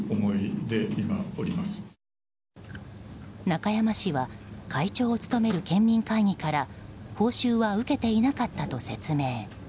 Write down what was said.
中山氏は会長を務める県民会議から報酬は受けていなかったと説明。